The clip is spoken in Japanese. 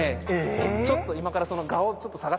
ちょっと今からそのえ？